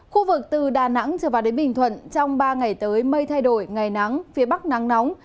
khu vực từ đà nẵng trở vào đến bình thuận trong ba ngày tới mây thay đổi ngày nắng phía bắc nắng nóng